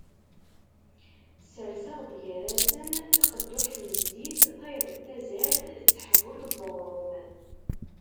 Ssersen-d gar-asen taqedduḥt n zzit, tayeḍ n tazart d teḥbult n uγrum.